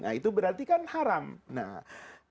nah itu berarti kan haram nah itu berarti kan haram